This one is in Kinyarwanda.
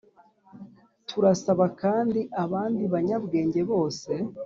turasaba kandi abandi banyabwenge bose